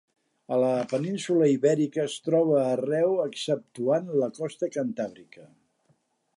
A la península Ibèrica es troba arreu exceptuant la costa cantàbrica.